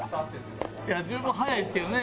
いや十分早いですけどね。